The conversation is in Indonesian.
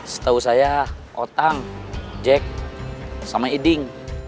setahu saya otak jack sama eding